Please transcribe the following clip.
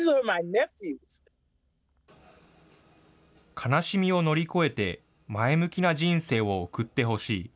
悲しみを乗り越えて、前向きな人生を送ってほしい。